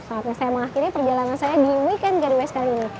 saatnya saya mengakhiri perjalanan saya di weekend genways kali ini